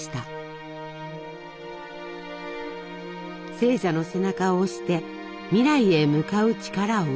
生者の背中を押して未来へ向かう力を生む。